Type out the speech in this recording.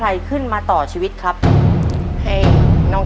ตัวเลือกที่๔๖ดอก